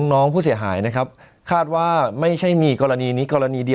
น้องผู้เสี่ยหายนะครับคาดว่าไม่ใช่มีกรณีนี้